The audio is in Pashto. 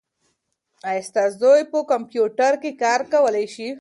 ایا ستا زوی په کمپیوټر کې کار کولای شي؟